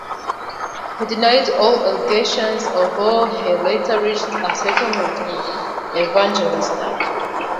He denied all allegations, although he later reached a settlement with Evangelista.